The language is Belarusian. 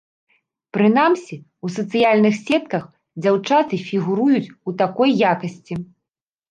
Прынамсі, у сацыяльных сетках дзяўчаты фігуруюць у такой якасці.